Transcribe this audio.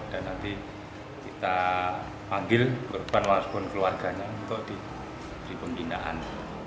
dan nanti kita panggil berupa warung keluarganya untuk di pembinaan